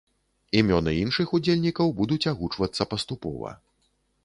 Імёны іншых удзельнікаў будуць агучвацца паступова.